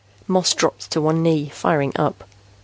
Moss dropped to one knee, firing up.